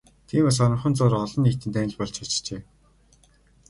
Тиймээс хоромхон зуур олон нийтийн танил болж чаджээ.